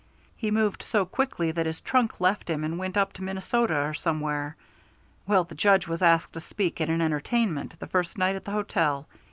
He moved so quickly that his trunk left him and went up to Minnesota or somewhere. Well, the Judge was asked to speak at an entertainment the first night at the hotel.